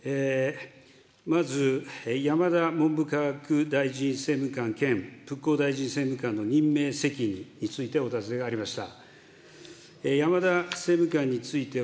まず、山田文部科学大臣政務官兼復興大臣政務官の任命責任について、お尋ねがありました。